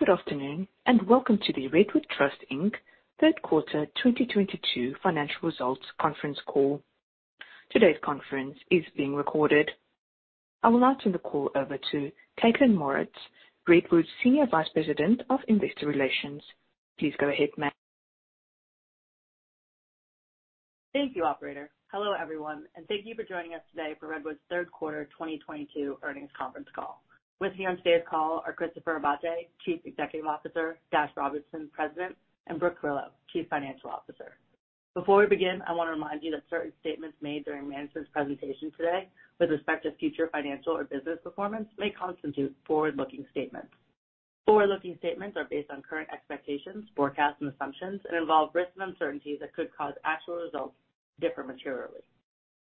Good afternoon, and welcome to the Redwood Trust, Inc. third quarter 2022 financial results conference call. Today's conference is being recorded. I will now turn the call over to Kaitlyn Mauritz, Redwood's Senior Vice President of Investor Relations. Please go ahead, ma'am. Thank you, operator. Hello, everyone, and thank you for joining us today for Redwood's third quarter 2022 earnings conference call. With me on today's call are Christopher Abate, Chief Executive Officer; Dash Robinson, President; and Brooke Carillo, Chief Financial Officer. Before we begin, I wanna remind you that certain statements made during management's presentation today with respect to future financial or business performance may constitute forward-looking statements. Forward-looking statements are based on current expectations, forecasts, and assumptions and involve risks and uncertainties that could cause actual results to differ materially.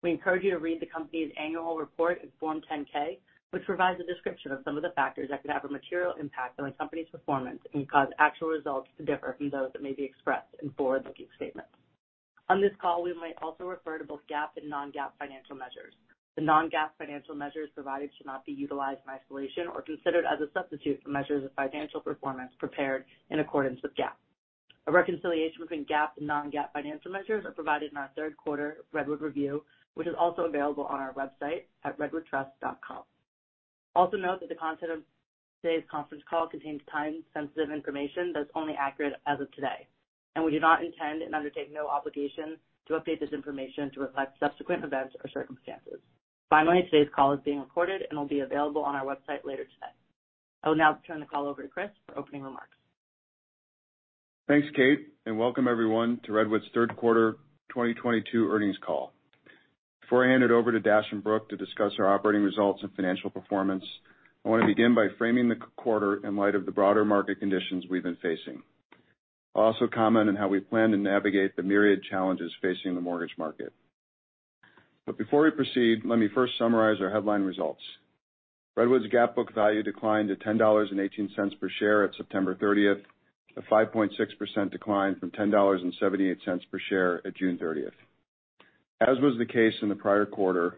We encourage you to read the company's annual report in Form 10-K, which provides a description of some of the factors that could have a material impact on the company's performance and cause actual results to differ from those that may be expressed in forward-looking statements. On this call, we might also refer to both GAAP and non-GAAP financial measures. The non-GAAP financial measures provided should not be utilized in isolation or considered as a substitute for measures of financial performance prepared in accordance with GAAP. A reconciliation between GAAP and non-GAAP financial measures are provided in our third quarter Redwood Review, which is also available on our website at redwoodtrust.com. Also note that the content of today's conference call contains time-sensitive information that's only accurate as of today, and we do not intend and undertake no obligation to update this information to reflect subsequent events or circumstances. Finally, today's call is being recorded and will be available on our website later today. I will now turn the call over to Chris for opening remarks. Thanks, Kait, and welcome everyone to Redwood's third quarter 2022 earnings call. Before I hand it over to Dash and Brooke to discuss our operating results and financial performance, I wanna begin by framing the quarter in light of the broader market conditions we've been facing. I'll also comment on how we plan to navigate the myriad challenges facing the mortgage market. Before we proceed, let me first summarize our headline results. Redwood's GAAP book value declined to $10.18 per share at September 30th, a 5.6% decline from $10.78 per share at June 30th. As was the case in the prior quarter,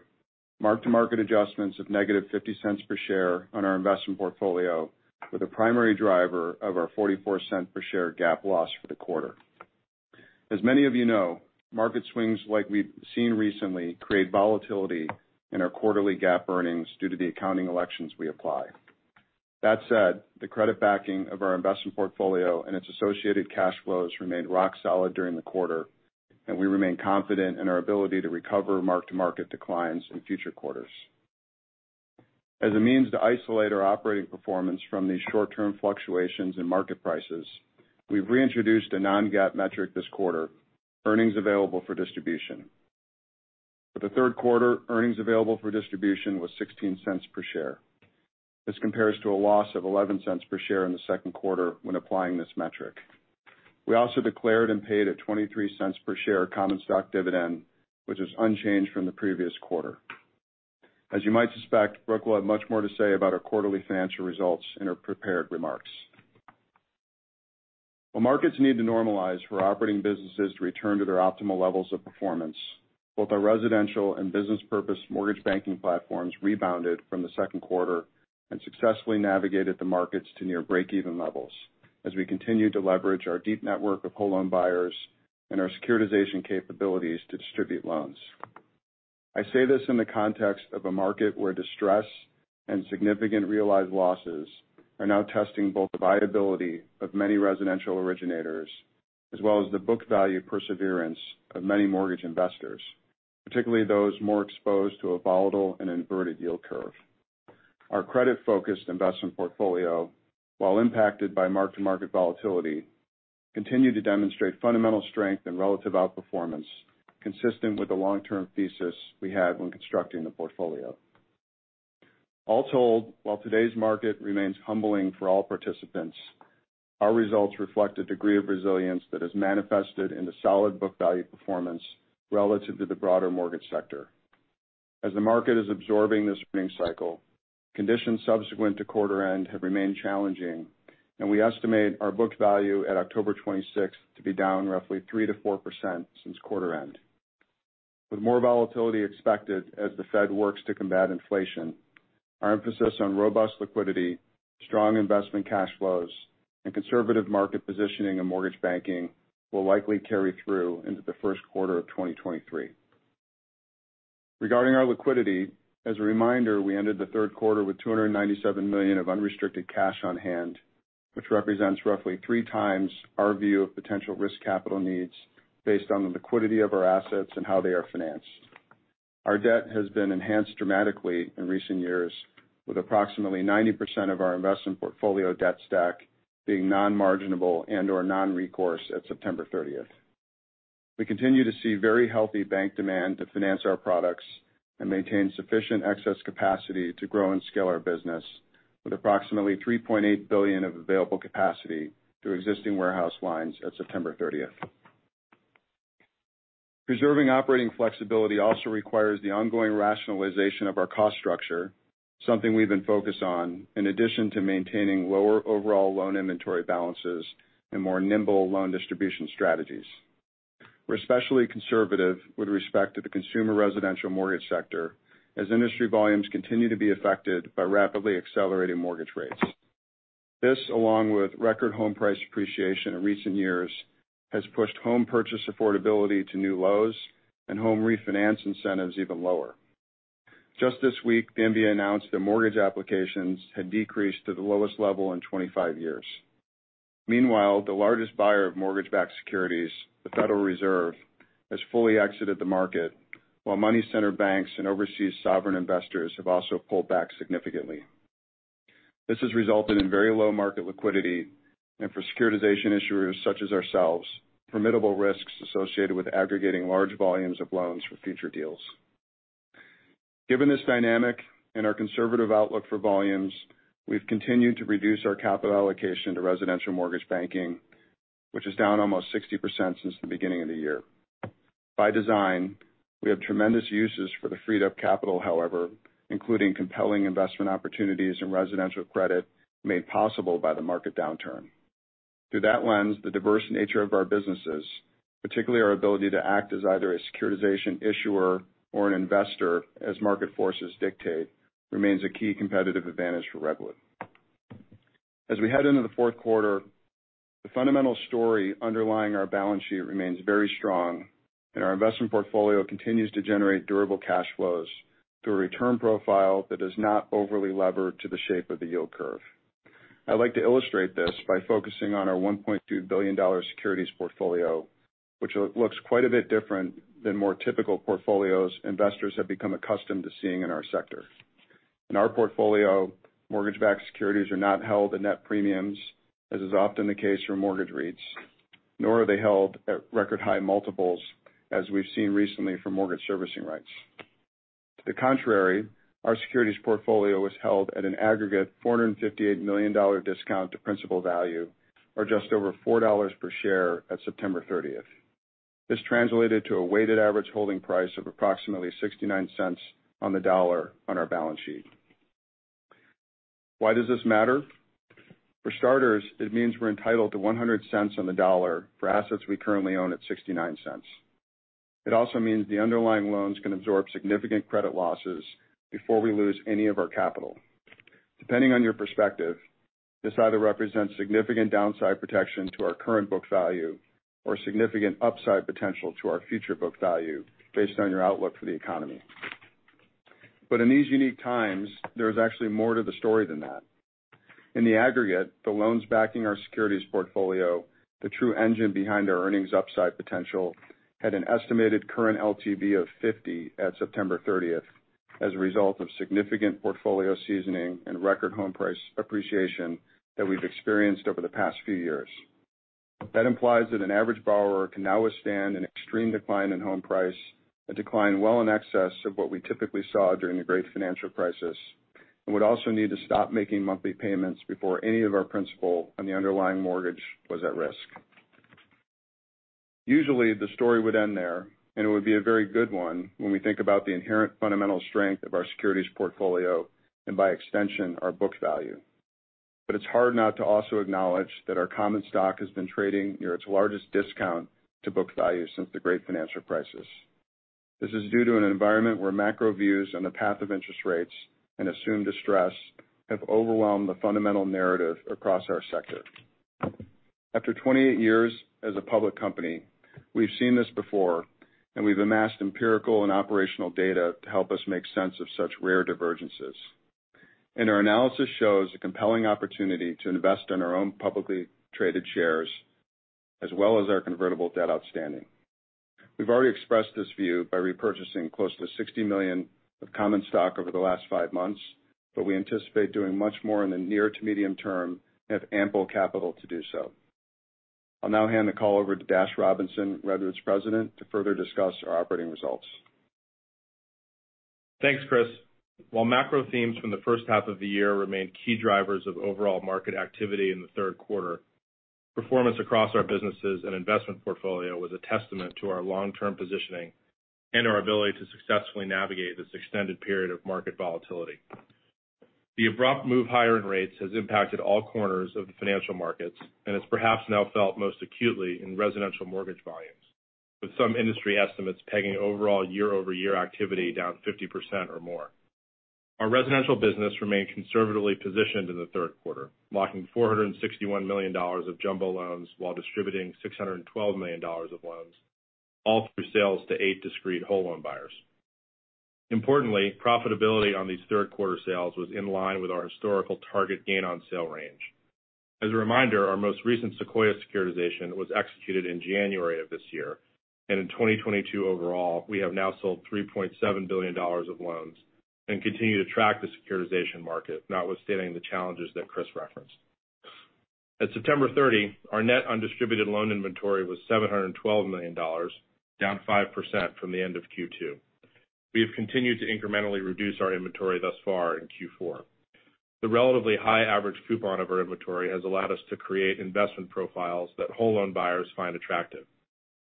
mark-to-market adjustments of -$0.50 per share on our investment portfolio were the primary driver of our $0.44 per share GAAP loss for the quarter. As many of you know, market swings like we've seen recently create volatility in our quarterly GAAP earnings due to the accounting elections we apply. That said, the credit backing of our investment portfolio and its associated cash flows remained rock solid during the quarter, and we remain confident in our ability to recover mark-to-market declines in future quarters. As a means to isolate our operating performance from these short-term fluctuations in market prices, we've reintroduced a non-GAAP metric this quarter, Earnings Available for Distribution. For the third quarter, Earnings Available for Distribution was $0.16 per share. This compares to a loss of $0.11 per share in the second quarter when applying this metric. We also declared and paid a $0.23 per share common stock dividend, which is unchanged from the previous quarter. As you might suspect, Brooke will have much more to say about our quarterly financial results in her prepared remarks. While markets need to normalize for our operating businesses to return to their optimal levels of performance, both our residential and business purpose mortgage banking platforms rebounded from the second quarter and successfully navigated the markets to near breakeven levels as we continue to leverage our deep network of whole loan buyers and our securitization capabilities to distribute loans. I say this in the context of a market where distress and significant realized losses are now testing both the viability of many residential originators, as well as the book value perseverance of many mortgage investors, particularly those more exposed to a volatile and inverted yield curve. Our credit-focused investment portfolio, while impacted by mark-to-market volatility, continued to demonstrate fundamental strength and relative outperformance consistent with the long-term thesis we had when constructing the portfolio. All told, while today's market remains humbling for all participants, our results reflect a degree of resilience that has manifested in the solid book value performance relative to the broader mortgage sector. As the market is absorbing this earnings cycle, conditions subsequent to quarter end have remained challenging, and we estimate our book value at October 26th to be down roughly 3%-4% since quarter end. With more volatility expected as the Fed works to combat inflation, our emphasis on robust liquidity, strong investment cash flows, and conservative market positioning in mortgage banking will likely carry through into the first quarter of 2023. Regarding our liquidity, as a reminder, we ended the third quarter with $297 million of unrestricted cash on hand, which represents roughly three times our view of potential risk capital needs based on the liquidity of our assets and how they are financed. Our debt has been enhanced dramatically in recent years, with approximately 90% of our investment portfolio debt stack being non-marginable and/or non-recourse at September 30th. We continue to see very healthy bank demand to finance our products and maintain sufficient excess capacity to grow and scale our business with approximately $3.8 billion of available capacity through existing warehouse lines at September 30th. Preserving operating flexibility also requires the ongoing rationalization of our cost structure, something we've been focused on, in addition to maintaining lower overall loan inventory balances and more nimble loan distribution strategies. We're especially conservative with respect to the consumer residential mortgage sector as industry volumes continue to be affected by rapidly accelerating mortgage rates. This, along with record home price appreciation in recent years, has pushed home purchase affordability to new lows and home refinance incentives even lower. Just this week, the MBA announced that mortgage applications had decreased to the lowest level in 25 years. Meanwhile, the largest buyer of mortgage-backed securities, the Federal Reserve, has fully exited the market, while money center banks and overseas sovereign investors have also pulled back significantly. This has resulted in very low market liquidity, and for securitization issuers such as ourselves, permissible risks associated with aggregating large volumes of loans for future deals. Given this dynamic and our conservative outlook for volumes, we've continued to reduce our capital allocation to residential mortgage banking, which is down almost 60% since the beginning of the year. By design, we have tremendous uses for the freed up capital, however, including compelling investment opportunities in residential credit made possible by the market downturn. Through that lens, the diverse nature of our businesses, particularly our ability to act as either a securitization issuer or an investor as market forces dictate, remains a key competitive advantage for Redwood. As we head into the fourth quarter, the fundamental story underlying our balance sheet remains very strong and our investment portfolio continues to generate durable cash flows through a return profile that is not overly levered to the shape of the yield curve. I'd like to illustrate this by focusing on our $1.2 billion securities portfolio, which looks quite a bit different than more typical portfolios investors have become accustomed to seeing in our sector. In our portfolio, mortgage-backed securities are not held in net premiums, as is often the case for mortgage REITs, nor are they held at record high multiples, as we've seen recently for mortgage servicing REITs. To the contrary, our securities portfolio was held at an aggregate $458 million discount to principal value, or just over $4 per share at September 30th. This translated to a weighted average holding price of approximately $0.69 on the dollar on our balance sheet. Why does this matter? For starters, it means we're entitled to $1.00 on the dollar for assets we currently own at $0.69. It also means the underlying loans can absorb significant credit losses before we lose any of our capital. Depending on your perspective, this either represents significant downside protection to our current book value or significant upside potential to our future book value based on your outlook for the economy. In these unique times, there's actually more to the story than that. In the aggregate, the loans backing our securities portfolio, the true engine behind our earnings upside potential, had an estimated current LTV of 50 at September 30th as a result of significant portfolio seasoning and record home price appreciation that we've experienced over the past few years. That implies that an average borrower can now withstand an extreme decline in home price, a decline well in excess of what we typically saw during the great financial crisis, and would also need to stop making monthly payments before any of our principal on the underlying mortgage was at risk. Usually, the story would end there, and it would be a very good one when we think about the inherent fundamental strength of our securities portfolio and by extension, our book value. It's hard not to also acknowledge that our common stock has been trading near its largest discount to book value since the great financial crisis. This is due to an environment where macro views on the path of interest rates and assumed distress have overwhelmed the fundamental narrative across our sector. After 28 years as a public company, we've seen this before, and we've amassed empirical and operational data to help us make sense of such rare divergences. Our analysis shows a compelling opportunity to invest in our own publicly traded shares as well as our convertible debt outstanding. We've already expressed this view by repurchasing close to 60 million of common stock over the last five months, but we anticipate doing much more in the near to medium term and have ample capital to do so. I'll now hand the call over to Dashiell Robinson, Redwood's president, to further discuss our operating results. Thanks, Chris. While macro themes from the first half of the year remained key drivers of overall market activity in the third quarter, performance across our businesses and investment portfolio was a testament to our long-term positioning and our ability to successfully navigate this extended period of market volatility. The abrupt move higher in rates has impacted all corners of the financial markets and is perhaps now felt most acutely in residential mortgage volumes, with some industry estimates pegging overall year-over-year activity down 50% or more. Our residential business remained conservatively positioned in the third quarter, locking $461 million of jumbo loans while distributing $612 million of loans, all through sales to 8 discrete whole loan buyers. Importantly, profitability on these third quarter sales was in line with our historical target gain on sale range. As a reminder, our most recent Sequoia securitization was executed in January of this year. In 2022 overall, we have now sold $3.7 billion of loans and continue to track the securitization market, notwithstanding the challenges that Chris referenced. At September 30, our net undistributed loan inventory was $712 million, down 5% from the end of Q2. We have continued to incrementally reduce our inventory thus far in Q4. The relatively high average coupon of our inventory has allowed us to create investment profiles that whole loan buyers find attractive.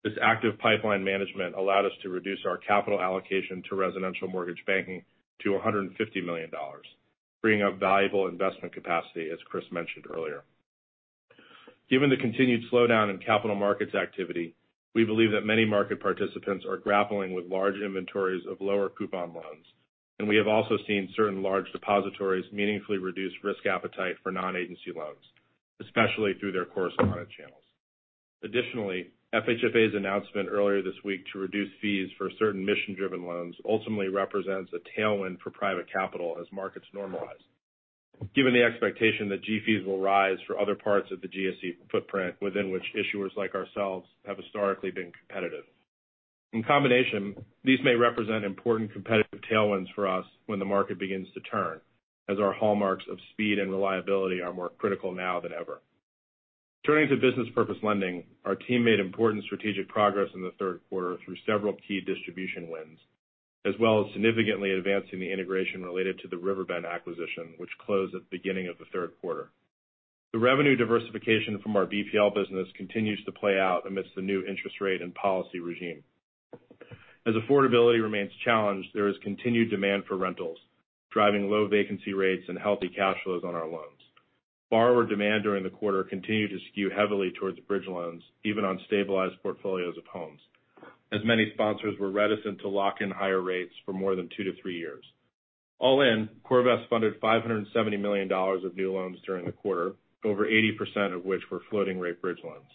This active pipeline management allowed us to reduce our capital allocation to residential mortgage banking to $150 million. Bring up valuable investment capacity, as Chris mentioned earlier. Given the continued slowdown in capital markets activity, we believe that many market participants are grappling with large inventories of lower coupon loans. We have also seen certain large depositories meaningfully reduce risk appetite for non-agency loans, especially through their correspondent channels. Additionally, FHFA's announcement earlier this week to reduce fees for certain mission-driven loans ultimately represents a tailwind for private capital as markets normalize. Given the expectation that G-fees will rise for other parts of the GSE footprint within which issuers like ourselves have historically been competitive. In combination, these may represent important competitive tailwinds for us when the market begins to turn, as our hallmarks of speed and reliability are more critical now than ever. Turning to business purpose lending, our team made important strategic progress in the third quarter through several key distribution wins, as well as significantly advancing the integration related to the Riverbend acquisition, which closed at the beginning of the third quarter. The revenue diversification from our BPL business continues to play out amidst the new interest rate and policy regime. As affordability remains challenged, there is continued demand for rentals, driving low vacancy rates and healthy cash flows on our loans. Borrower demand during the quarter continued to skew heavily towards bridge loans, even on stabilized portfolios of homes, as many sponsors were reticent to lock in higher rates for more than two to three years. All in, CoreVest funded $570 million of new loans during the quarter, over 80% of which were floating-rate bridge loans.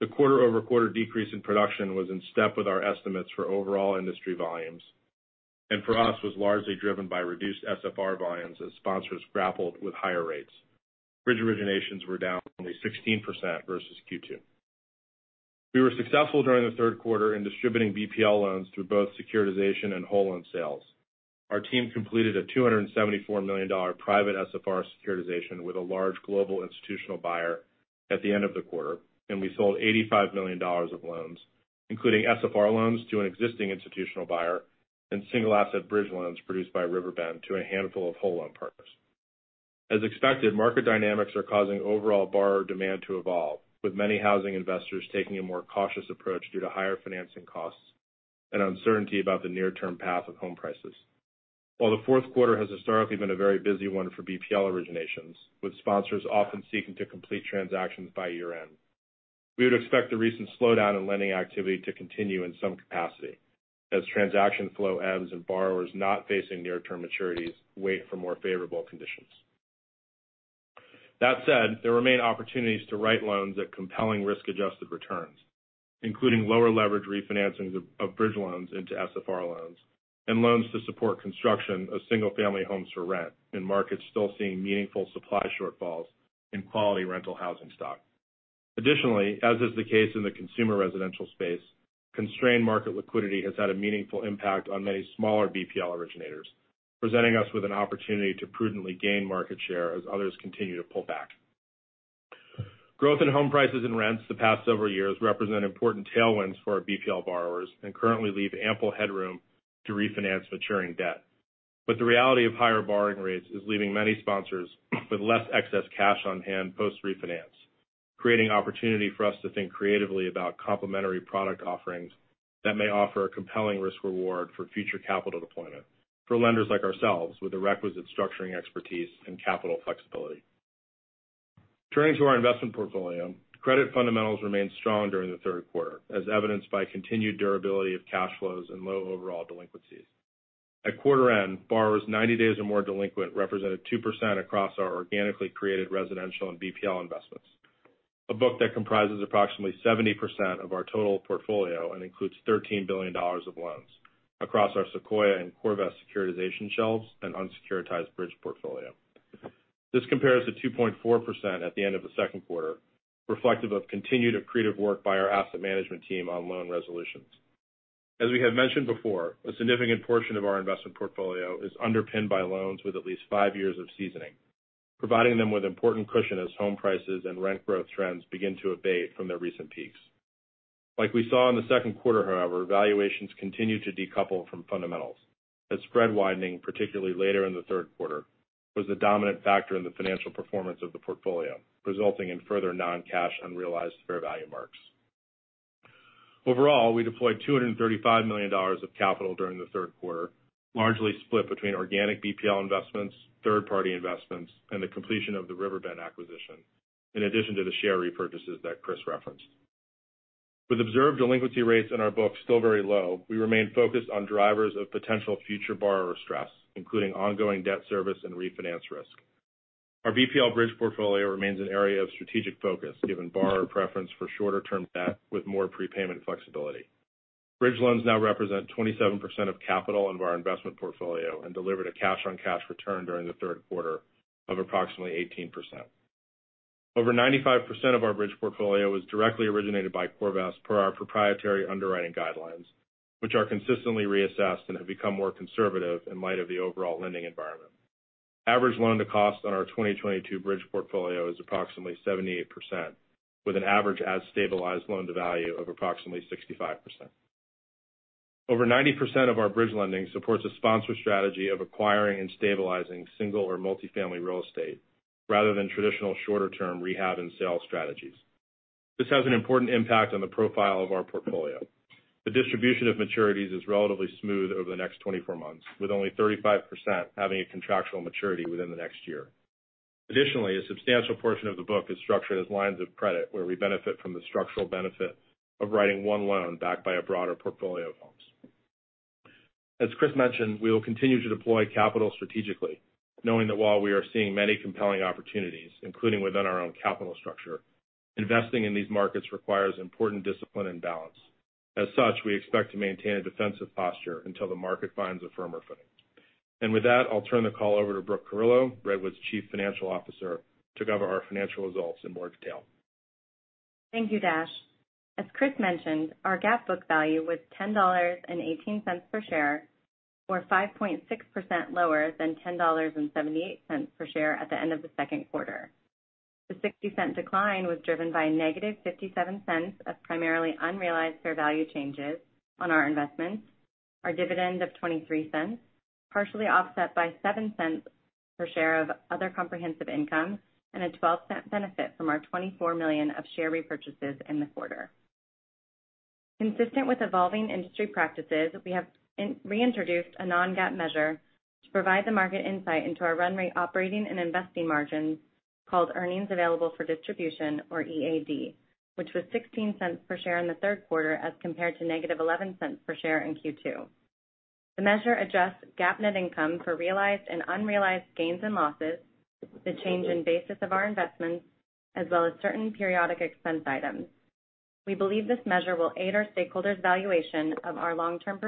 The quarter-over-quarter decrease in production was in step with our estimates for overall industry volumes, and for us, was largely driven by reduced SFR volumes as sponsors grappled with higher rates. Bridge originations were down only 16% versus Q2. We were successful during the third quarter in distributing BPL loans through both securitization and whole loan sales. Our team completed a $274 million private SFR securitization with a large global institutional buyer at the end of the quarter, and we sold $85 million of loans, including SFR loans to an existing institutional buyer and single asset bridge loans produced by Riverbend to a handful of whole loan partners. As expected, market dynamics are causing overall borrower demand to evolve, with many housing investors taking a more cautious approach due to higher financing costs and uncertainty about the near-term path of home prices. While the fourth quarter has historically been a very busy one for BPL originations, with sponsors often seeking to complete transactions by year-end. We would expect the recent slowdown in lending activity to continue in some capacity as transaction flow ebbs and borrowers not facing near-term maturities wait for more favorable conditions. That said, there remain opportunities to write loans at compelling risk-adjusted returns, including lower leverage refinancing of bridge loans into SFR loans and loans to support construction of single-family homes for rent in markets still seeing meaningful supply shortfalls in quality rental housing stock. Additionally, as is the case in the consumer residential space, constrained market liquidity has had a meaningful impact on many smaller BPL originators, presenting us with an opportunity to prudently gain market share as others continue to pull back. Growth in home prices and rents the past several years represent important tailwinds for our BPL borrowers and currently leave ample headroom to refinance maturing debt. The reality of higher borrowing rates is leaving many sponsors with less excess cash on hand post-refinance, creating opportunity for us to think creatively about complementary product offerings that may offer a compelling risk reward for future capital deployment for lenders like ourselves with the requisite structuring expertise and capital flexibility. Turning to our investment portfolio, credit fundamentals remained strong during the third quarter, as evidenced by continued durability of cash flows and low overall delinquencies. At quarter end, borrowers 90 days or more delinquent represented 2% across our organically created residential and BPL investments, a book that comprises approximately 70% of our total portfolio and includes $13 billion of loans across our Sequoia and CoreVest securitization shelves and unsecuritized bridge portfolio. This compares to 2.4% at the end of the second quarter, reflective of continued accretive work by our asset management team on loan resolutions. As we have mentioned before, a significant portion of our investment portfolio is underpinned by loans with at least five years of seasoning, providing them with important cushion as home prices and rent growth trends begin to abate from their recent peaks. Like we saw in the second quarter, however, valuations continued to decouple from fundamentals. That spread widening, particularly later in the third quarter, was the dominant factor in the financial performance of the portfolio, resulting in further non-cash unrealized fair value marks. Overall, we deployed $235 million of capital during the third quarter, largely split between organic BPL investments, third-party investments, and the completion of the Riverbend acquisition, in addition to the share repurchases that Chris referenced. With observed delinquency rates in our books still very low, we remain focused on drivers of potential future borrower stress, including ongoing debt service and refinance risk. Our BPL bridge portfolio remains an area of strategic focus, given borrower preference for shorter-term debt with more prepayment flexibility. Bridge loans now represent 27% of capital into our investment portfolio and delivered a cash-on-cash return during the third quarter of approximately 18%. Over 95% of our bridge portfolio was directly originated by CoreVest per our proprietary underwriting guidelines, which are consistently reassessed and have become more conservative in light of the overall lending environment. Average loan-to-cost on our 2022 bridge portfolio is approximately 78%, with an average as-stabilized loan-to-value of approximately 65%. Over 90% of our bridge lending supports a sponsor strategy of acquiring and stabilizing single or multifamily real estate rather than traditional shorter-term rehab and sale strategies. This has an important impact on the profile of our portfolio. The distribution of maturities is relatively smooth over the next 24 months, with only 35% having a contractual maturity within the next year. Additionally, a substantial portion of the book is structured as lines of credit, where we benefit from the structural benefit of writing one loan backed by a broader portfolio of homes. As Chris mentioned, we will continue to deploy capital strategically, knowing that while we are seeing many compelling opportunities, including within our own capital structure, investing in these markets requires important discipline and balance. As such, we expect to maintain a defensive posture until the market finds a firmer footing. With that, I'll turn the call over to Brooke Carillo, Redwood's Chief Financial Officer, to go over our financial results in more detail. Thank you, Dash. As Chris mentioned, our GAAP book value was $10.18 per share, or 5.6% lower than $10.78 per share at the end of the second quarter. The $0.60 decline was driven by -$0.57 of primarily unrealized fair value changes on our investments, our dividend of $0.23, partially offset by $0.07 per share of other comprehensive income, and a $0.12 benefit from our $24 million of share repurchases in the quarter. Consistent with evolving industry practices, we have reintroduced a non-GAAP measure to provide the market insight into our run rate operating and investing margins called Earnings Available for Distribution, or EAD, which was $0.16 per share in the third quarter as compared to -$0.11 per share in Q2. The measure adjusts GAAP net income for realized and unrealized gains and losses, the change in basis of our investments, as well as certain periodic expense items. We believe this measure will aid our stakeholders' valuation of our long-term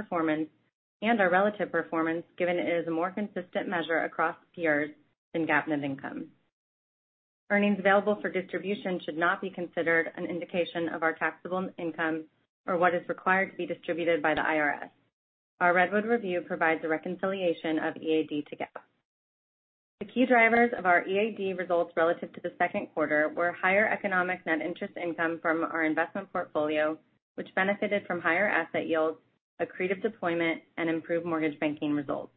performance and our relative performance, given it is a more consistent measure across peers than GAAP net income. Earnings Available for Distribution should not be considered an indication of our taxable income or what is required to be distributed by the IRS. Our Redwood Review provides a reconciliation of EAD to GAAP. The key drivers of our EAD results relative to the second quarter were higher economic net interest income from our investment portfolio, which benefited from higher asset yields, accretive deployment, and improved mortgage banking results.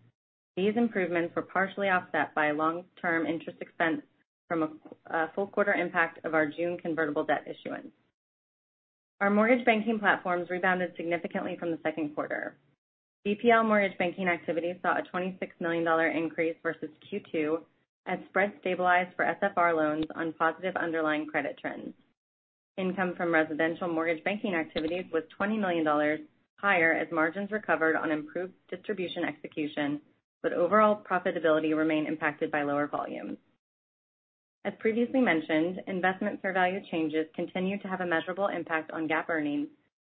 These improvements were partially offset by long-term interest expense from a full quarter impact of our June convertible debt issuance. Our mortgage banking platforms rebounded significantly from the second quarter. BPL mortgage banking activities saw a $26 million increase versus Q2 as spreads stabilized for SFR loans on positive underlying credit trends. Income from residential mortgage banking activities was $20 million higher as margins recovered on improved distribution execution, but overall profitability remained impacted by lower volumes. As previously mentioned, investment fair value changes continued to have a measurable impact on GAAP earnings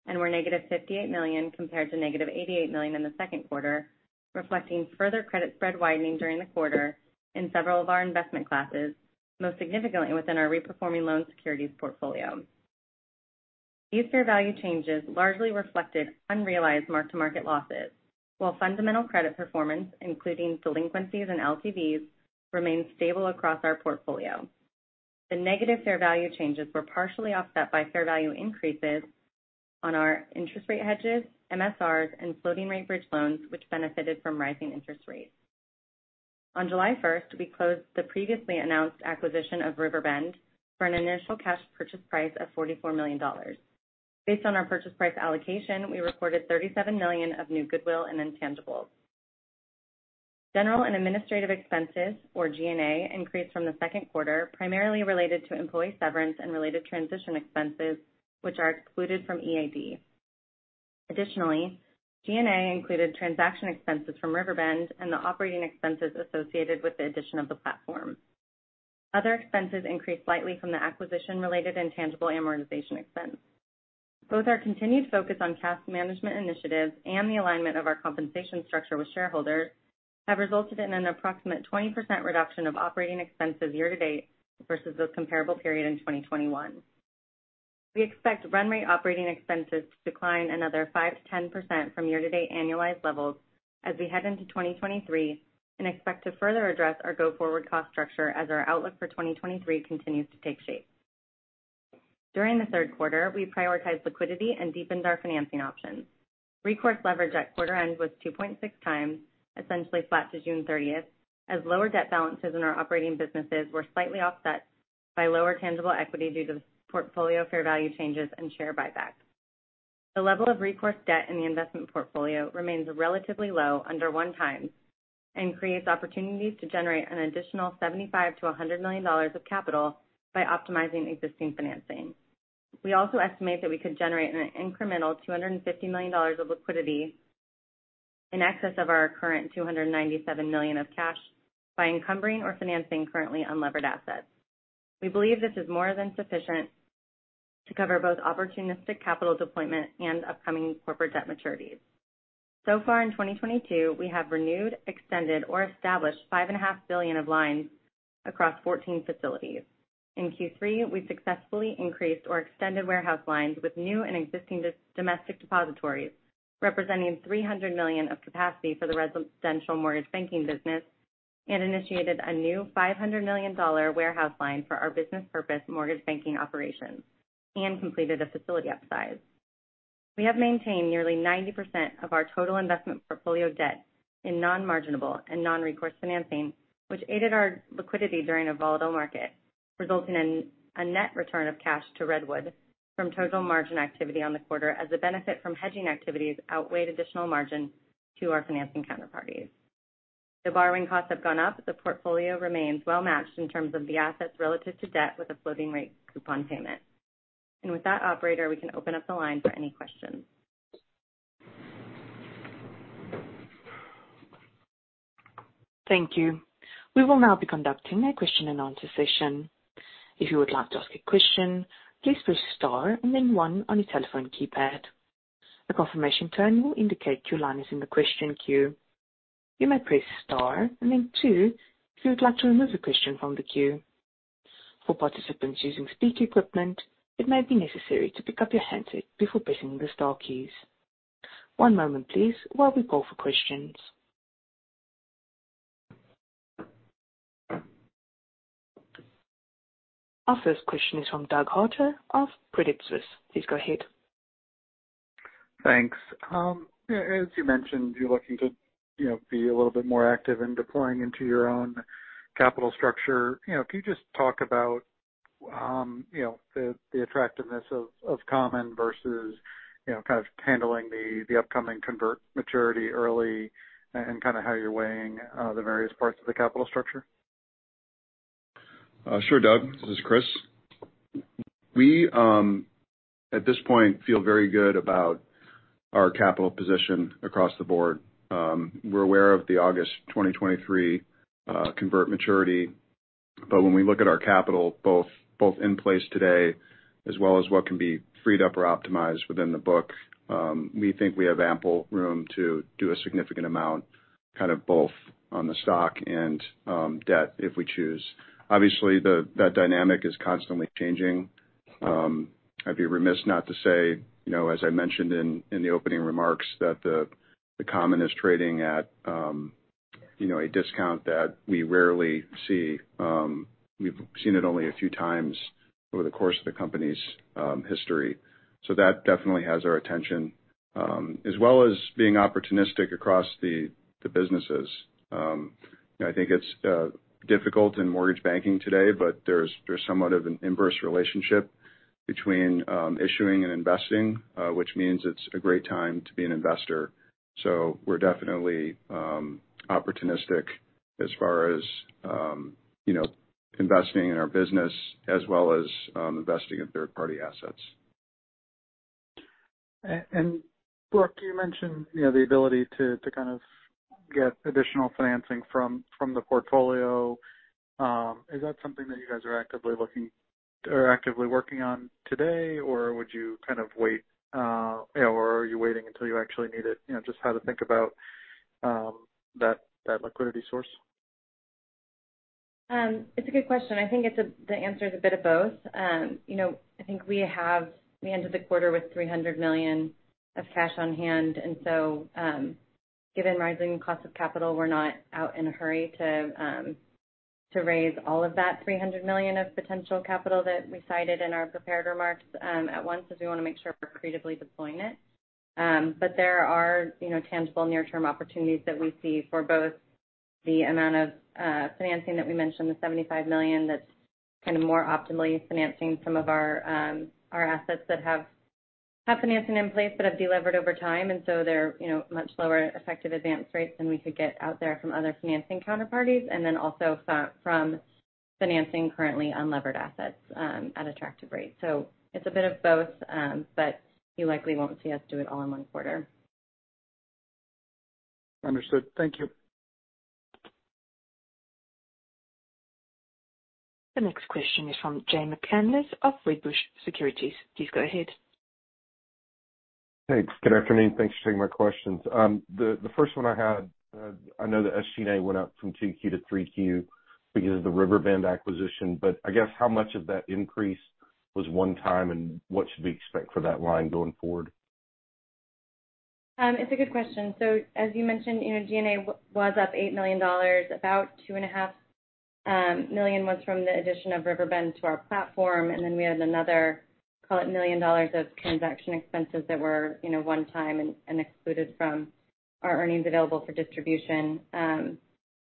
and were negative $58 million compared to negative $88 million in the second quarter, reflecting further credit spread widening during the quarter in several of our investment classes, most significantly within our reperforming loan securities portfolio. These fair value changes largely reflected unrealized mark-to-market losses, while fundamental credit performance, including delinquencies and LTVs, remained stable across our portfolio. The negative fair value changes were partially offset by fair value increases on our interest rate hedges, MSRs, and floating-rate bridge loans, which benefited from rising interest rates. On July 1st, we closed the previously announced acquisition of Riverbend for an initial cash purchase price of $44 million. Based on our purchase price allocation, we recorded $37 million of new goodwill and intangibles. General and administrative expenses, or G&A, increased from the second quarter primarily related to employee severance and related transition expenses, which are excluded from EAD. Additionally, G&A included transaction expenses from Riverbend and the operating expenses associated with the addition of the platform. Other expenses increased slightly from the acquisition-related intangible amortization expense. Both our continued focus on cash management initiatives and the alignment of our compensation structure with shareholders have resulted in an approximate 20% reduction of operating expenses year-to-date versus the comparable period in 2021. We expect run rate operating expenses to decline another 5%-10% from year-to-date annualized levels as we head into 2023 and expect to further address our go-forward cost structure as our outlook for 2023 continues to take shape. During the third quarter, we prioritized liquidity and deepened our financing options. Recourse leverage at quarter end was 2.6x, essentially flat to June 30th, as lower debt balances in our operating businesses were slightly offset by lower tangible equity due to portfolio fair value changes and share buybacks. The level of recourse debt in the investment portfolio remains relatively low under one times and creates opportunities to generate an additional $75 million-$100 million of capital by optimizing existing financing. We also estimate that we could generate an incremental $250 million of liquidity in excess of our current $297 million of cash by encumbering or financing currently unlevered assets. We believe this is more than sufficient to cover both opportunistic capital deployment and upcoming corporate debt maturities. So far in 2022, we have renewed, extended, or established $5.5 billion of lines across fourteen facilities. In Q3, we successfully increased or extended warehouse lines with new and existing domestic depositories, representing $300 million of capacity for the residential mortgage banking business and initiated a new $500 million warehouse line for our business purpose mortgage banking operations and completed a facility upsize. We have maintained nearly 90% of our total investment portfolio debt in non-marginable and non-recourse financing, which aided our liquidity during a volatile market, resulting in a net return of cash to Redwood from total margin activity on the quarter as the benefit from hedging activities outweighed additional margin to our financing counterparties. The borrowing costs have gone up. The portfolio remains well matched in terms of the assets relative to debt with a floating rate coupon payment. With that operator, we can open up the line for any questions. Thank you. We will now be conducting a question-and-answer session. If you would like to ask a question, please press star and then one on your telephone keypad. A confirmation tone will indicate your line is in the question queue. You may press star and then two if you would like to remove a question from the queue. For participants using speaker equipment, it may be necessary to pick up your handset before pressing the star keys. One moment please while we call for questions. Our first question is from Doug Harter of Credit Suisse. Please go ahead. Thanks. As you mentioned, you're looking to, you know, be a little bit more active in deploying into your own capital structure. You know, can you just talk about, you know, the attractiveness of common versus, you know, kind of handling the upcoming convert maturity early and kind of how you're weighing the various parts of the capital structure? Sure, Doug, this is Chris. We at this point feel very good about our capital position across the board. We're aware of the August 2023 convert maturity, but when we look at our capital both in place today as well as what can be freed up or optimized within the book, we think we have ample room to do a significant amount, kind of both on the stock and debt, if we choose. Obviously that dynamic is constantly changing. I'd be remiss not to say, you know, as I mentioned in the opening remarks, that the common is trading at, you know, a discount that we rarely see. We've seen it only a few times over the course of the company's history. That definitely has our attention, as well as being opportunistic across the businesses. You know, I think it's difficult in mortgage banking today, but there's somewhat of an inverse relationship between issuing and investing, which means it's a great time to be an investor. We're definitely opportunistic as far as you know, investing in our business as well as investing in third-party assets. Brooke, you mentioned the ability to kind of get additional financing from the portfolio. Is that something that you guys are actively looking or actively working on today, or would you kind of wait, or are you waiting until you actually need it? Just how to think about that liquidity source. It's a good question. I think the answer is a bit of both. You know, I think we have ended the quarter with $300 million of cash on hand. Given rising cost of capital, we're not out in a hurry to raise all of that $300 million of potential capital that we cited in our prepared remarks at once, because we want to make sure we're creatively deploying it. There are, you know, tangible near-term opportunities that we see for both the amount of financing that we mentioned, the $75 million that's kind of more optimally financing some of our assets that have financing in place but have delivered over time. They're, you know, much lower effective advance rates than we could get out there from other financing counterparties. From financing currently unlevered assets at attractive rates. It's a bit of both, but you likely won't see us do it all in one quarter. Understood. Thank you. The next question is from Jay McCanless of Wedbush Securities. Please go ahead. Thanks. Good afternoon. Thanks for taking my questions. The first one I had, I know the SG&A went up from 2Q-3Q because of the Riverbend acquisition, but I guess how much of that increase was one time, and what should we expect for that line going forward? It's a good question. As you mentioned, you know, G&A was up $8 million. About $2.5 million was from the addition of Riverbend to our platform. Then we had another, call it $1 million of transaction expenses that were, you know, one-time and excluded from our Earnings Available for Distribution.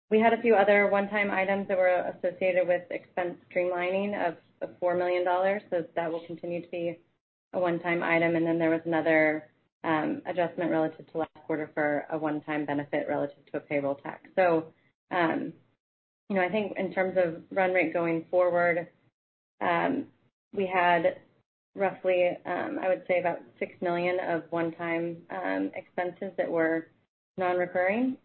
We had a few other one-time items that were associated with expense streamlining of $4 million. That will continue to be a one-time item. Then there was another adjustment relative to last quarter for a one-time benefit relative to a payroll tax. You know, I think in terms of run rate going forward, we had roughly, I would say about $6 million of one-time expenses that were non-recurring.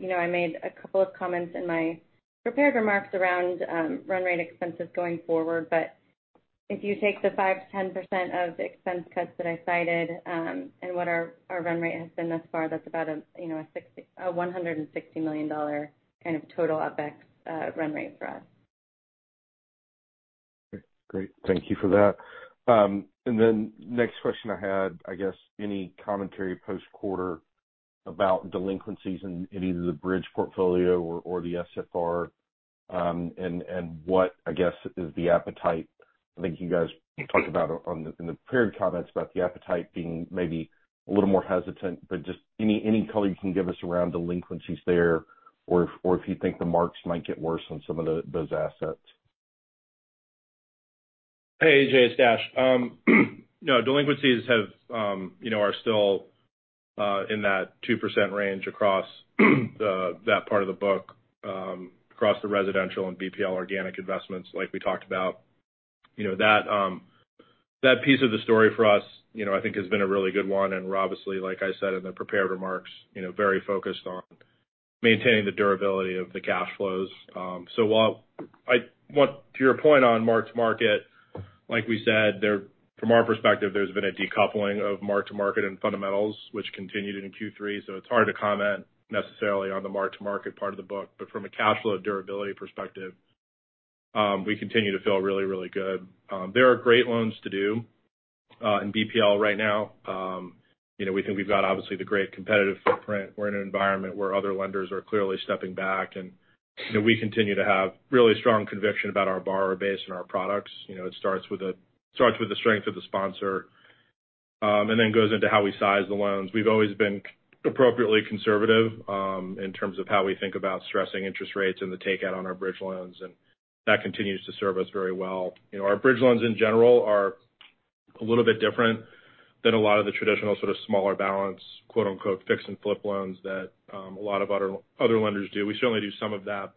You know, I made a couple of comments in my prepared remarks around run rate expenses going forward. If you take the 5%-10% of expense cuts that I cited, and what our run rate has been thus far, that's about a, you know, a $160 million kind of total OpEx run rate for us. Great. Thank you for that. Next question I had, I guess any commentary post-quarter about delinquencies in either the bridge portfolio or the SFR, and what I guess is the appetite. I think you guys talked about in the prepared comments about the appetite being maybe a little more hesitant, but just any color you can give us around delinquencies there or if you think the marks might get worse on some of those assets. Hey Jay, it's Dash. You know, delinquencies are still in that 2% range across that part of the book across the residential and BPL organic investments like we talked about. You know, that piece of the story for us, I think has been a really good one, and we're obviously, like I said in the prepared remarks, you know, very focused on maintaining the durability of the cash flows. To your point on mark-to-market, like we said, from our perspective, there's been a decoupling of mark-to-market and fundamentals, which continued in Q3. It's hard to comment necessarily on the mark-to-market part of the book. From a cash flow durability perspective, we continue to feel really, really good. There are great loans to do in BPL right now. You know, we think we've got obviously the great competitive footprint. We're in an environment where other lenders are clearly stepping back and, you know, we continue to have really strong conviction about our borrower base and our products. You know, it starts with the strength of the sponsor, and then goes into how we size the loans. We've always been appropriately conservative in terms of how we think about stressing interest rates and the takeout on our bridge loans, and that continues to serve us very well. You know, our bridge loans in general are a little bit different than a lot of the traditional sort of smaller balance, quote-unquote, "fix and flip" loans that a lot of other lenders do. We certainly do some of that.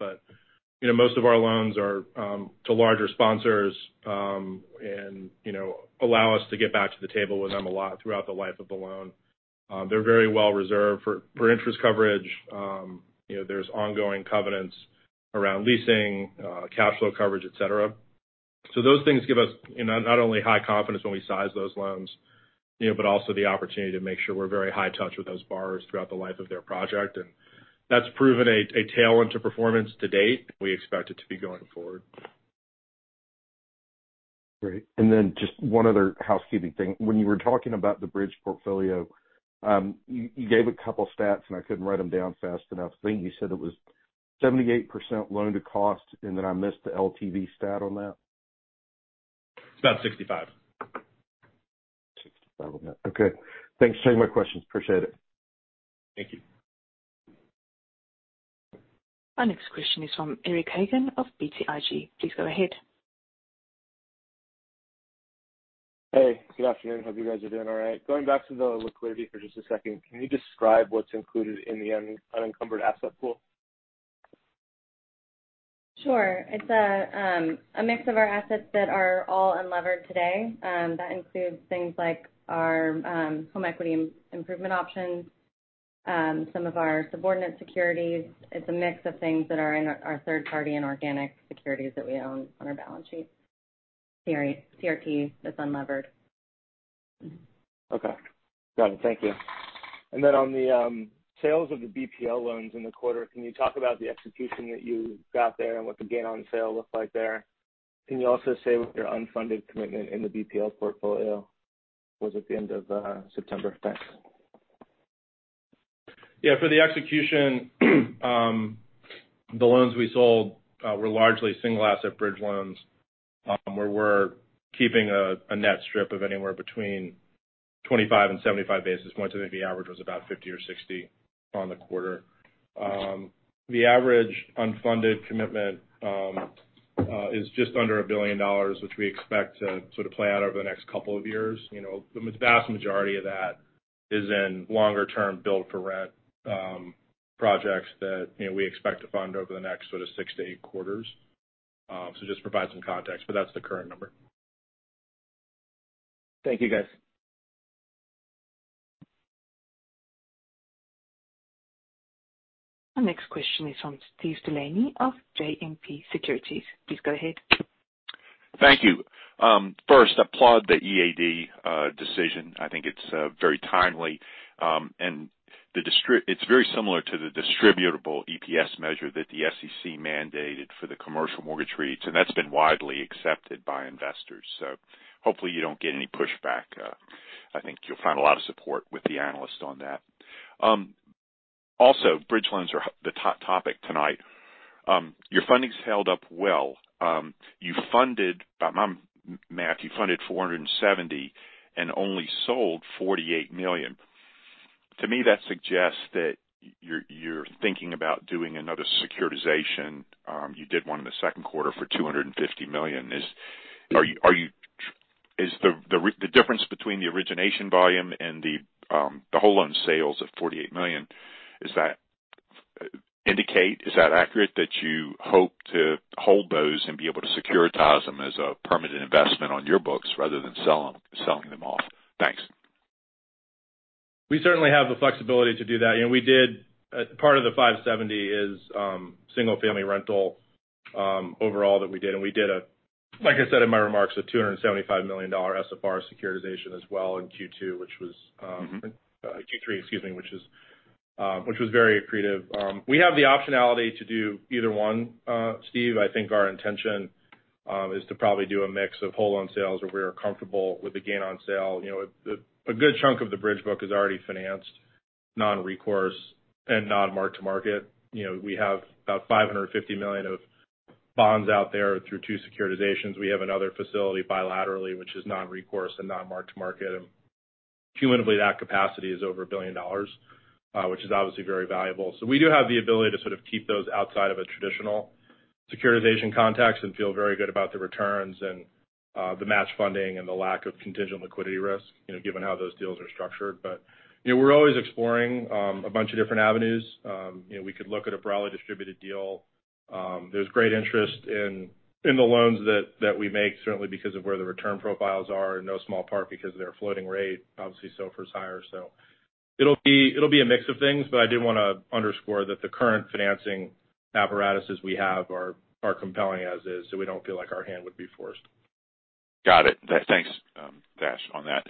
You know, most of our loans are to larger sponsors, and you know, allow us to get back to the table with them a lot throughout the life of the loan. They're very well reserved for interest coverage. You know, there's ongoing covenants around leasing, cash flow coverage, et cetera. So those things give us, you know, not only high confidence when we size those loans, you know, but also the opportunity to make sure we're very high touch with those borrowers throughout the life of their project. That's proven a tailwind to performance to date. We expect it to be going forward. Great. Just one other housekeeping thing. When you were talking about the bridge portfolio, you gave a couple stats, and I couldn't write them down fast enough. I think you said it was 78% loan to cost, and then I missed the LTV stat on that. It's about 65%. 65% on that. Okay. Thanks. Those are my questions. Appreciate it. Thank you. Our next question is from Eric Hagen of BTIG. Please go ahead. Hey, good afternoon. Hope you guys are doing all right. Going back to the liquidity for just a second, can you describe what's included in the unencumbered asset pool? Sure. It's a mix of our assets that are all unlevered today. That includes things like our home equity improvement options, some of our subordinate securities. It's a mix of things that are in our third-party and organic securities that we own on our balance sheet. CRT that's unlevered. Okay. Got it. Thank you. On the sales of the BPL loans in the quarter, can you talk about the execution that you got there and what the gain on sale looked like there? Can you also say what your unfunded commitment in the BPL portfolio was at the end of September? Thanks. Yeah. For the execution, the loans we sold were largely single asset bridge loans, where we're keeping a net strip of anywhere between 25 basis point and 75 basis point. I think the average was about 50 basis point or 60 basis point on the quarter. The average unfunded commitment is just under $1 billion, which we expect to sort of play out over the next couple of years. You know, the vast majority of that is in longer-term build for rent projects that, you know, we expect to fund over the next sort of six to eight quarters. Just provide some context, but that's the current number. Thank you, guys. Our next question is from Steven Delaney of JMP Securities. Please go ahead. Thank you. First, applaud the EAD decision. I think it's very timely. It's very similar to the distributable EPS measure that the SEC mandated for the commercial mortgage REITs, and that's been widely accepted by investors. Hopefully you don't get any pushback. I think you'll find a lot of support with the analysts on that. Also, bridge loans are the top topic tonight. Your funding's held up well. You funded, Dash, 470 and only sold $48 million. To me, that suggests that you're thinking about doing another securitization. You did one in the second quarter for $250 million. Is the difference between the origination volume and the whole loan sales of $48 million, is that accurate that you hope to hold those and be able to securitize them as a permanent investment on your books rather than selling them off? Thanks. We certainly have the flexibility to do that. You know, we did part of the 570 is single-family rental overall that we did. We did a, like I said in my remarks, a $275 million SFR securitization as well in Q2, which was Q3, excuse me, which was very accretive. We have the optionality to do either one, Steve. I think our intention is to probably do a mix of hold and sales where we are comfortable with the gain on sale. You know, a good chunk of the bridge book is already financed, non-recourse and non-mark-to-market. You know, we have about $550 million of bonds out there through two securitizations. We have another facility bilaterally, which is non-recourse and non-mark-to-market. Cumulatively, that capacity is over $1 billion, which is obviously very valuable. We do have the ability to sort of keep those outside of a traditional securitization context and feel very good about the returns and the match funding and the lack of contingent liquidity risk, you know, given how those deals are structured. You know, we're always exploring a bunch of different avenues. You know, we could look at a broadly distributed deal. There's great interest in the loans that we make, certainly because of where the return profiles are, in no small part because of their floating rate, obviously, SOFR is higher. It'll be a mix of things, but I did wanna underscore that the current financing apparatuses we have are compelling as is, so we don't feel like our hand would be forced. Got it. Thanks, Dash, on that.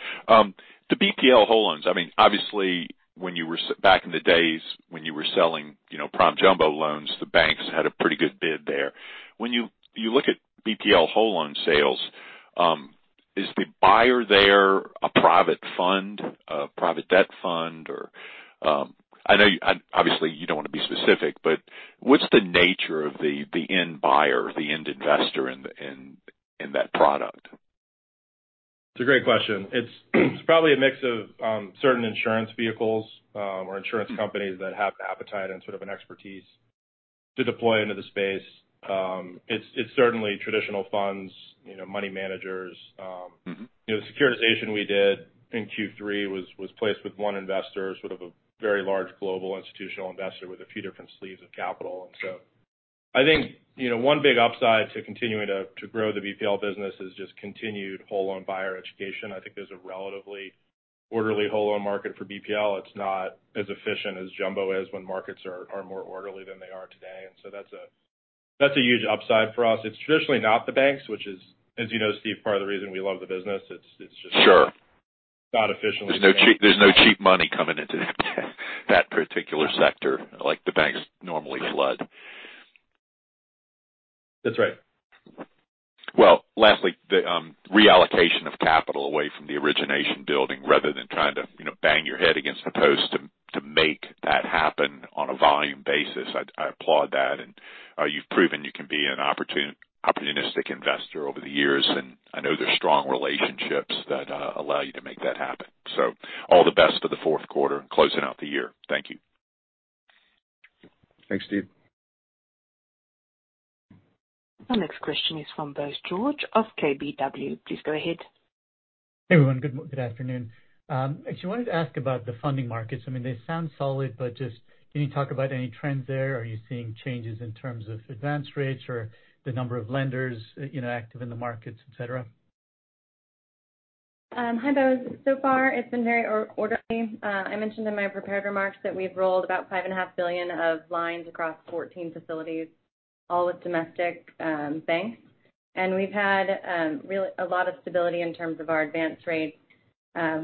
The BPL whole loans, I mean, obviously when you were back in the days when you were selling, you know, prime jumbo loans, the banks had a pretty good bid there. When you look at BPL whole loan sales, is the buyer there a private fund, a private debt fund, or, I know, obviously, you don't want to be specific, but what's the nature of the end buyer, the end investor in that product? It's a great question. It's probably a mix of certain insurance vehicles or insurance companies that have the appetite and sort of an expertise to deploy into the space. It's certainly traditional funds, you know, money managers. Mm-hmm. You know, the securitization we did in Q3 was placed with one investor, sort of a very large global institutional investor with a few different sleeves of capital. I think, you know, one big upside to continuing to grow the BPL business is just continued whole loan buyer education. I think there's a relatively orderly whole loan market for BPL. It's not as efficient as jumbo is when markets are more orderly than they are today. That's a huge upside for us. It's traditionally not the banks, which is, as you know, Steve, part of the reason we love the business. It's just. Sure Not efficient. There's no cheap money coming into that particular sector like the banks normally flood. That's right. Well, lastly, the reallocation of capital away from the origination building rather than trying to, you know, bang your head against the post to make that happen on a volume basis. I applaud that. You've proven you can be an opportunistic investor over the years, and I know there's strong relationships that allow you to make that happen. All the best for the fourth quarter and closing out the year. Thank you. Thanks, Steve. Our next question is from Bose George of KBW. Please go ahead. Hey, everyone. Good afternoon. Actually wanted to ask about the funding markets. I mean, they sound solid, but just, can you talk about any trends there? Are you seeing changes in terms of advance rates or the number of lenders, you know, active in the markets, et cetera? Hi, Bose. So far it's been very orderly. I mentioned in my prepared remarks that we've rolled about $5.5 billion of lines across 14 facilities, all with domestic banks. We've had a lot of stability in terms of our advance rates.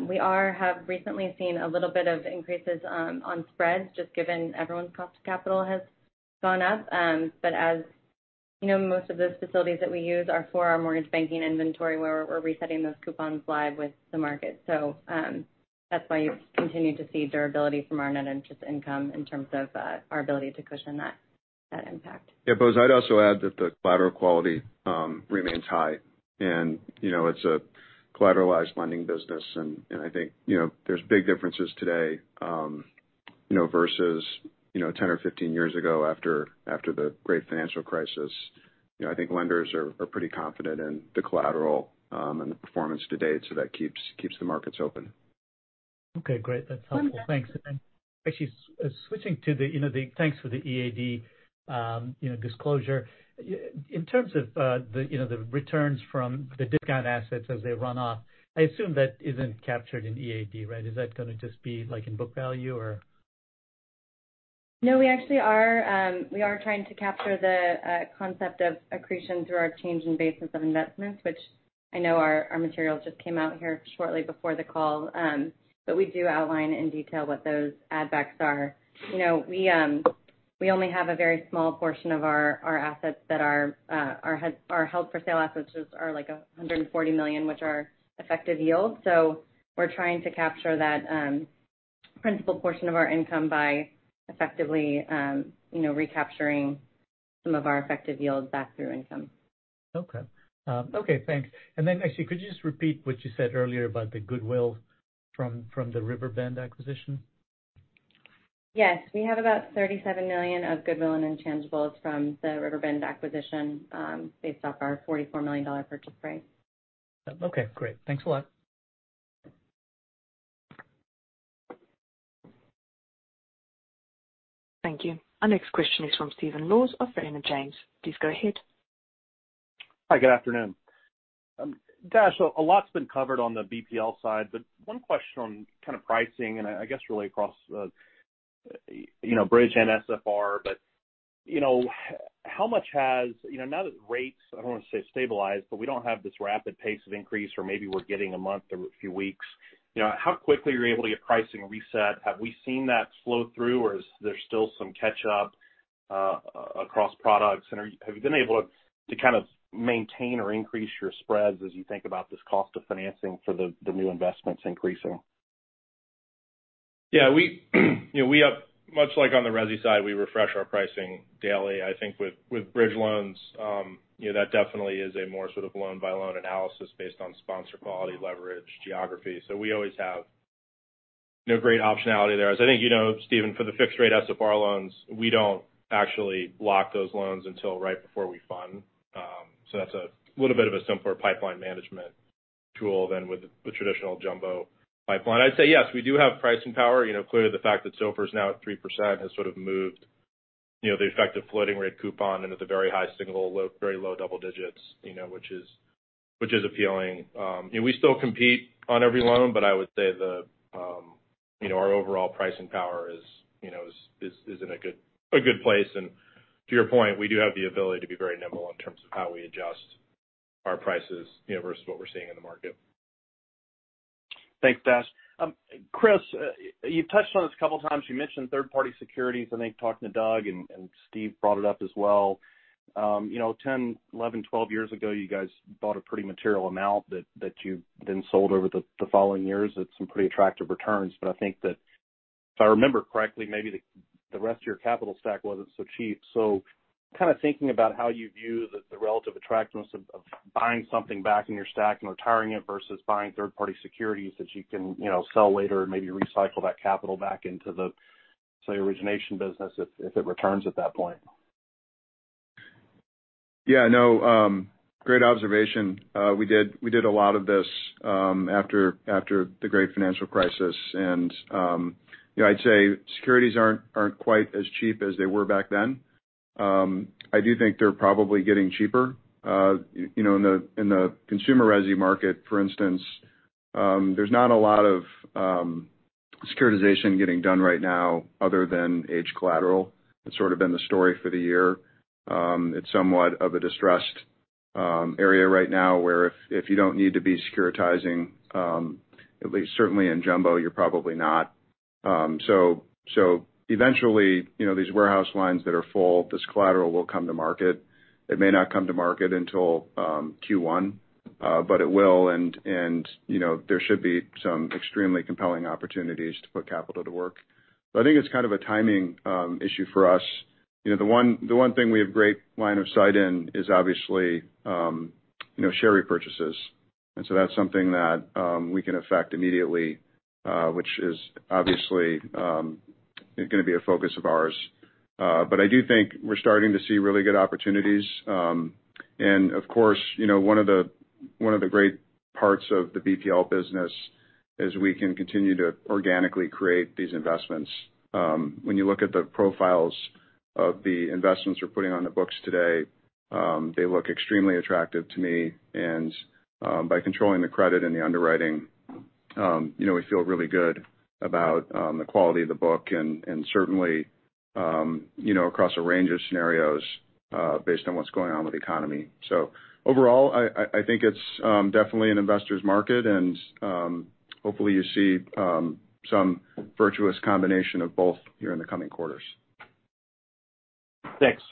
We have recently seen a little bit of increases on spreads just given everyone's cost of capital has gone up. As you know, most of those facilities that we use are for our mortgage banking inventory, where we're resetting those coupons live with the market. That's why you continue to see durability from our net interest income in terms of our ability to cushion that impact. Yeah, Bose, I'd also add that the collateral quality remains high and, you know, it's a collateralized lending business and I think, you know, there's big differences today, you know, versus, you know, 10 or 15 years ago after the great financial crisis. You know, I think lenders are pretty confident in the collateral and the performance to date, so that keeps the markets open. Okay, great. That's helpful. One- Thanks. Actually switching to the you know thanks for the EAD you know disclosure. In terms of the you know returns from the discount assets as they run off, I assume that isn't captured in EAD, right? Is that gonna just be like in book value or? No, we actually are trying to capture the concept of accretion through our change in basis of investments, which I know our materials just came out here shortly before the call. But we do outline in detail what those add backs are. You know, we only have a very small portion of our assets that are our held for sale assets are like $140 million, which are effective yield. So we're trying to capture that principal portion of our income by effectively, you know, recapturing some of our effective yields back through income. Okay, thanks. Actually, could you just repeat what you said earlier about the goodwill from the Riverbend acquisition? Yes. We have about $37 million of goodwill and intangibles from the Riverbend acquisition, based off our $44 million purchase price. Okay, great. Thanks a lot. Thank you. Our next question is from Stephen Laws of Raymond James. Please go ahead. Hi, good afternoon. Dash, a lot's been covered on the BPL side, but one question on kind of pricing and I guess really across, you know, bridge and SFR, but you know, how much has, you know, now that rates, I don't want to say stabilized, but we don't have this rapid pace of increase or maybe we're getting a month or a few weeks. You know, how quickly are you able to get pricing reset? Have we seen that flow through or is there still some catch up across products? Have you been able to kind of maintain or increase your spreads as you think about this cost of financing for the new investments increasing? Yeah. We, you know, we have much like on the resi side, we refresh our pricing daily. I think with bridge loans, you know, that definitely is a more sort of loan-by-loan analysis based on sponsor quality, leverage, geography. We always have, you know, great optionality there. As I think you know, Stephen, for the fixed rate SFR loans, we don't actually lock those loans until right before we fund. That's a little bit of a simpler pipeline management tool than with the traditional jumbo pipeline. I'd say, yes, we do have pricing power. You know, clearly the fact that SOFR is now at 3% has sort of moved, you know, the effective floating rate coupon into the very high single, low, very low double digits, you know, which is appealing. You know, we still compete on every loan, but I would say you know, our overall pricing power is in a good place. To your point, we do have the ability to be very nimble in terms of how we adjust our prices, you know, versus what we're seeing in the market. Thanks, Dash. Chris, you've touched on this a couple times. You mentioned third-party securities, I think, talking to Doug, and Steve brought it up as well. You know, 10, 11, 12 years ago, you guys bought a pretty material amount that you then sold over the following years at some pretty attractive returns. I think that if I remember correctly, maybe the rest of your capital stack wasn't so cheap. Kind of thinking about how you view the relative attractiveness of buying something back in your stack and retiring it versus buying third-party securities that you can, you know, sell later and maybe recycle that capital back into the, say, origination business if it returns at that point. Yeah, no, great observation. We did a lot of this after the great financial crisis. You know, I'd say securities aren't quite as cheap as they were back then. I do think they're probably getting cheaper. You know, in the consumer resi market, for instance, there's not a lot of securitization getting done right now other than agency collateral. That's sort of been the story for the year. It's somewhat of a distressed area right now, where if you don't need to be securitizing, at least certainly in jumbo, you're probably not. Eventually, you know, these warehouse lines that are full, this collateral will come to market. It may not come to market until Q1, but it will, and you know, there should be some extremely compelling opportunities to put capital to work. I think it's kind of a timing issue for us. You know, the one thing we have great line of sight in is obviously you know, share repurchases. That's something that we can affect immediately, which is obviously gonna be a focus of ours. I do think we're starting to see really good opportunities. Of course, you know, one of the great parts of the BPL business is we can continue to organically create these investments. When you look at the profiles of the investments we're putting on the books today, they look extremely attractive to me. By controlling the credit and the underwriting, you know, we feel really good about the quality of the book and certainly you know across a range of scenarios based on what's going on with the economy. Overall, I think it's definitely an investor's market and hopefully you see some virtuous combination of both here in the coming quarters. Thanks,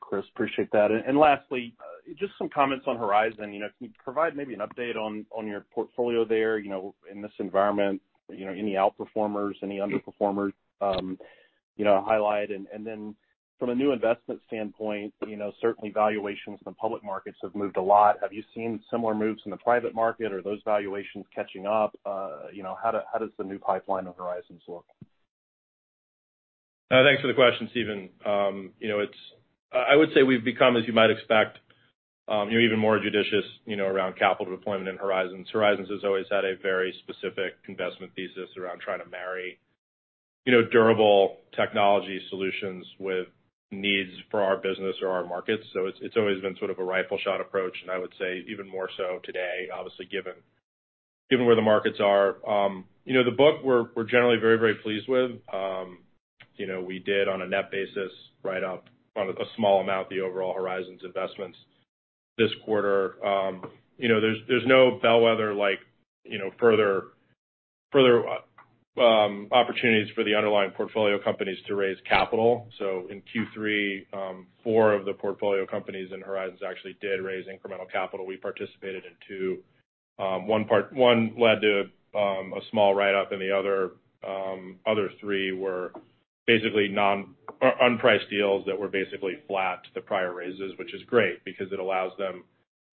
Chris. Appreciate that. Lastly, just some comments on Horizon. You know, can you provide maybe an update on your portfolio there, you know, in this environment? You know, any outperformers, any underperformers, you know, highlight? From a new investment standpoint, you know, certainly valuations in the public markets have moved a lot. Have you seen similar moves in the private market? Are those valuations catching up? You know, how does the new pipeline of Horizons look? Thanks for the question, Steven. You know, I would say we've become, as you might expect, you know, even more judicious, you know, around capital deployment in Horizons. Horizons has always had a very specific investment thesis around trying to marry, you know, durable technology solutions with needs for our business or our markets. It's always been sort of a rifle shot approach, and I would say even more so today, obviously, given where the markets are. You know, the book. We're generally very pleased with. You know, we did on a net basis write up on a small amount the overall Horizons investments this quarter. You know, there's no bellwether like, you know, further opportunities for the underlying portfolio companies to raise capital. In Q3, Q4 of the portfolio companies in Horizons actually did raise incremental capital. We participated in two. One led to a small write-up and the other three were basically unpriced deals that were basically flat to the prior raises, which is great because it allows them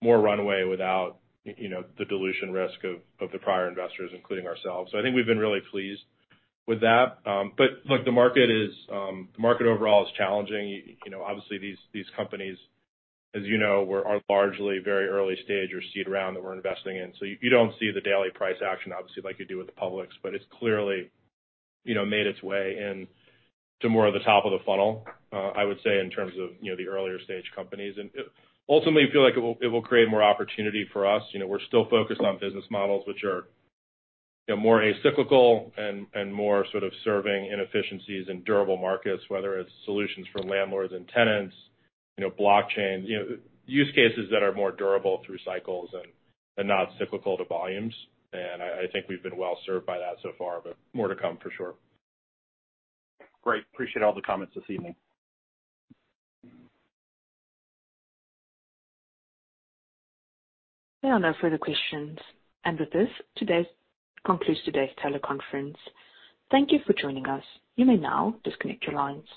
more runway without, you know, the dilution risk of the prior investors, including ourselves. I think we've been really pleased with that. Look, the market overall is challenging. You know, obviously these companies, as you know, are largely very early stage or seed round that we're investing in. You don't see the daily price action, obviously, like you do with the publics, but it's clearly, you know, made its way into more of the top of the funnel, I would say, in terms of, you know, the earlier stage companies. Ultimately feel like it will create more opportunity for us. You know, we're still focused on business models which are, you know, less cyclical and more sort of serving inefficiencies in durable markets, whether it's solutions for landlords and tenants, you know, blockchain, you know, use cases that are more durable through cycles and not cyclical to volumes. I think we've been well-served by that so far, but more to come for sure. Great. Appreciate all the comments this evening. There are no further questions. This concludes today's teleconference. Thank you for joining us. You may now disconnect your lines.